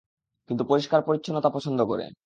কিন্তু পরিস্কার পরিচ্ছনতা পছন্দ করে।